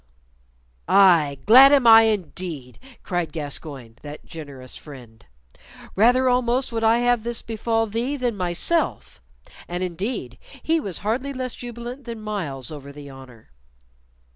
"Aye, glad am I indeed!" cried Gascoyne, that generous friend; "rather almost would I have this befall thee than myself!" And indeed he was hardly less jubilant than Myles over the honor.